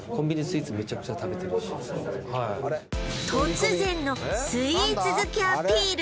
突然のスイーツ好きアピール